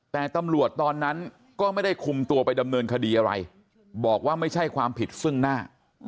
แต่ตำรวจตอนนั้นก็ไม่ได้คุมตัวไปดำเนินคดีอะไรบอกว่าไม่ใช่ความผิดซึ่งหน้า